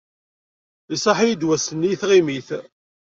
Iṣaḥ-iyi-d wass-nni i tɣimit.